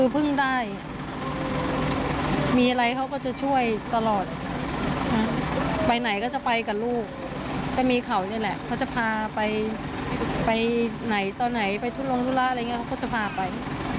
ไปไหนก็จะไปกับลูกก็มีเขาเนี่ยแหละเขาจะพาไปไปไหนตอนไหนไปทุนลงธุระอะไรอย่างเงี้ยเขาก็จะพาไป